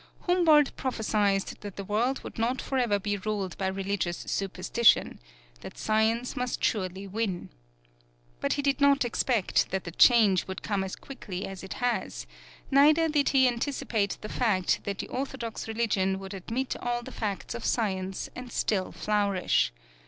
Humboldt prophesied that the world would not forever be ruled by religious superstition that science must surely win. But he did not expect that the change would come as quickly as it has; neither did he anticipate the fact that the orthodox religion would admit all the facts of science and still flourish.